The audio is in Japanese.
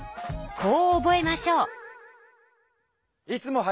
こう覚えましょう。